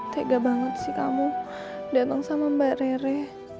tega banget sih kamu datang sama mbak rere